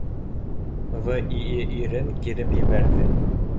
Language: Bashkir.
ВИИирен киреп ебәрҙе